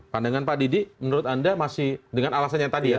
pandangan pak didi menurut anda masih dengan alasan yang tadi ya